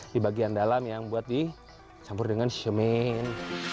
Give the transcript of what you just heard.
di bagian dalam yang buat dicampur dengan semen